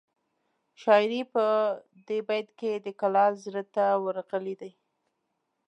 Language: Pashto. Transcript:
شاعر په دې بیت کې د کلال زړه ته ورغلی دی